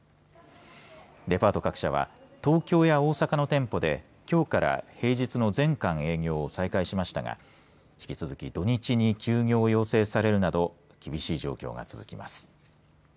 デパート各社は東京や大阪の店舗できょうから平日の全館営業を再開しましたが引き続き土日に休業を要請されるなど厳しい状況が続きます。